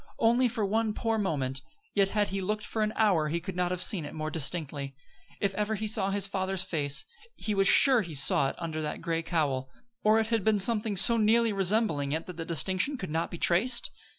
Only for one poor moment; yet had he looked for an hour he could not have seen it more distinctly. If ever he saw his father's face, he was sure he saw it then under that gray cowl. Or it had been something so nearly resembling it that the distinction could not be traced?